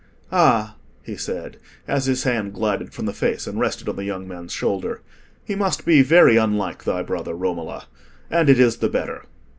"Ah," he said, as his hand glided from the face and rested on the young man's shoulder. "He must be very unlike thy brother, Romola: and it is the better.